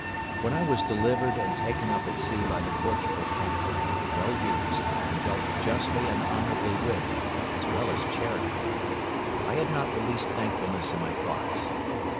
When I was delivered and taken up at sea by the Portugal captain, well used, and dealt justly and honourably with, as well as charitably, I had not the least thankfulness in my thoughts.